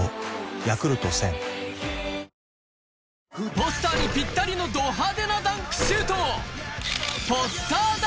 ポスターにぴったりのど派手なダンクシュート